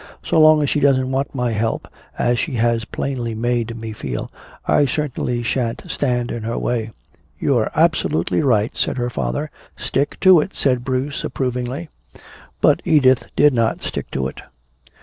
"So long as she doesn't want my help, as she has plainly made me feel, I certainly shan't stand in her way." "You're absolutely right," said her father. "Stick to it," said Bruce approvingly. But Edith did not stick to it.